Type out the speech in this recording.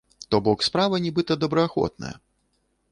То-бок, справа нібыта добраахвотная.